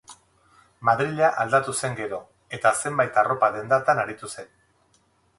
Madrila aldatu zen gero, eta zenbait arropa-dendatan aritu zen.